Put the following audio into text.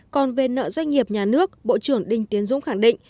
còn về nợ doanh nghiệp nhà nước bộ trưởng đinh tiến dũng khẳng định